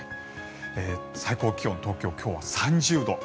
最高気温東京、今日は３０度。